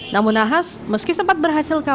namun ahas meski sempat berhasil terbunuh